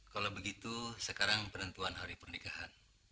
kalau begitu sekarang penentuan hari pernikahan